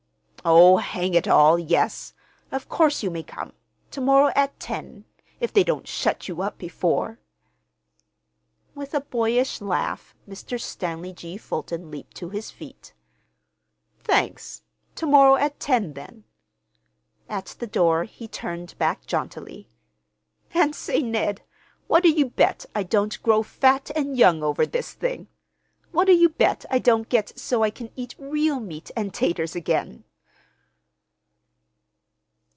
"Oh, hang it all—yes. Of course you may come. To morrow at ten—if they don't shut you up before." With a boyish laugh Mr. Stanley G. Fulton leaped to his feet. "Thanks. To morrow at ten, then." At the door he turned back jauntily. "And, say, Ned, what'll you bet I don't grow fat and young over this thing? What'll you bet I don't get so I can eat real meat and 'taters again?"